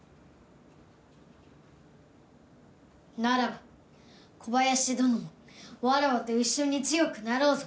ならば小林どのもわらわと一緒に強くなろうぞ。